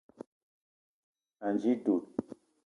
Ànji dud